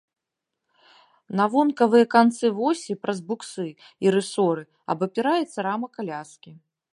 На вонкавыя канцы восі праз буксы і рысоры абапіраецца рама каляскі.